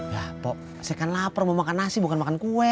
ya saya kan lapar mau makan nasi bukan makan kue